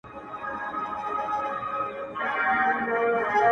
خلگو نه زړونه اخلې خلگو څخه زړونه وړې ته.